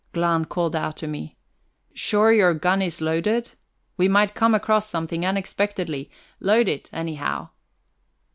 Glahn called out to me: "Sure your gun is loaded? We might come across something unexpectedly. Load it, anyhow."